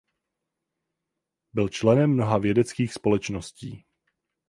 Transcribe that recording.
Byl členem mnoha vědeckých společností.